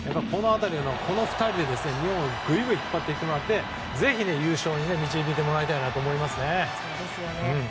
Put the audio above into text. この２人で日本をぐいぐい引っ張っていってもらってぜひ優勝に導いてもらいたいと思いますね。